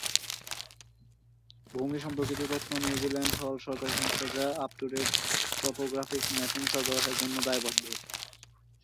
ভূমি সম্পর্কিত তথ্য নিউজিল্যান্ড হ'ল সরকারী সংস্থা যা up to date topographic mapping সরবরাহের জন্য দায়বদ্ধ।